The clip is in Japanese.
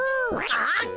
あっ！